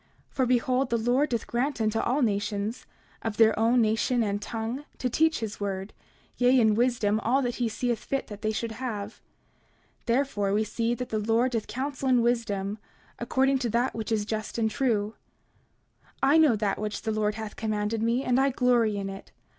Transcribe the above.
29:8 For behold, the Lord doth grant unto all nations, of their own nation and tongue, to teach his word, yea, in wisdom, all that he seeth fit that they should have; therefore we see that the Lord doth counsel in wisdom, according to that which is just and true. 29:9 I know that which the Lord hath commanded me, and I glory in it.